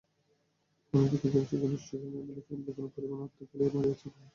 অন্যদিকে জেমসের ঘনিষ্ঠজনেরা বলছেন, যেকোনো পরিমাণ অর্থ পেলেই মারিয়া চুপ হয়ে যাবেন।